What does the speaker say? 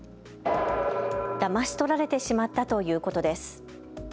だまし取られてしまったということです。